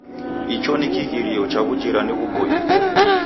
Icho ni kighirio cha w'ujirani ghuboie.